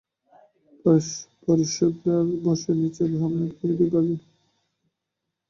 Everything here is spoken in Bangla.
পারিষদেরা বসে নীচে, সামনে বাঁয়ে দুই ভাগে।